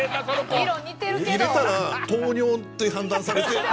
入れたら糖尿って判断されて。